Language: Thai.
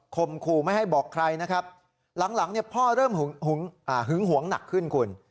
ขู่ไม่ให้บอกใครนะครับหลังพ่อเริ่มหึงหวงหนักขึ้นคุณ